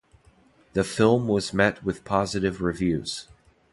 The film was met with positive reviews.